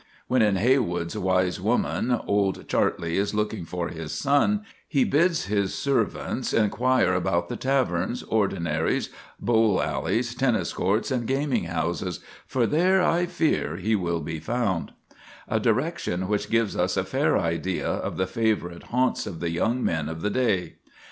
When in Heywood's "Wise Woman" old Chartley is looking for his son, he bids his servants "inquire about the taverns, ordinaries, bowl alleys, tennis courts, and gaming houses, for there I fear he will be found," a direction which gives us a fair idea of the favorite haunts of the young men of the day.